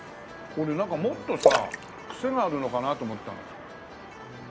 俺なんかもっとさクセがあるのかなと思ったのよ。